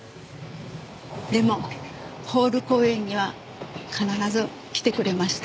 でもホール公演には必ず来てくれました。